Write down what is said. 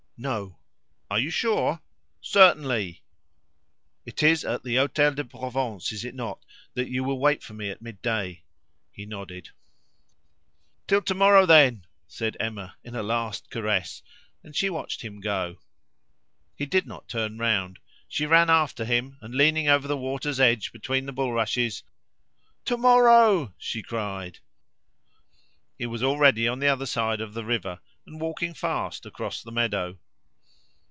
"No." "Are you sure?" "Certainly." "It is at the Hotel de Provence, is it not, that you will wait for me at midday?" He nodded. "Till to morrow then!" said Emma in a last caress; and she watched him go. He did not turn round. She ran after him, and, leaning over the water's edge between the bulrushes "To morrow!" she cried. He was already on the other side of the river and walking fast across the meadow.